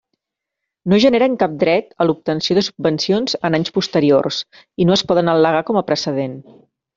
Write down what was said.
No generen cap dret a l'obtenció de subvencions en anys posteriors i no es poden al·legar com a precedent.